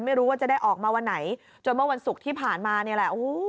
ไม่รู้ว่าจะได้ออกมาวันไหนจนเมื่อวันศุกร์ที่ผ่านมานี่แหละโอ้โห